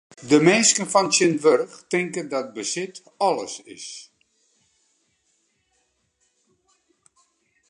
De minsken fan tsjintwurdich tinke dat besit alles is.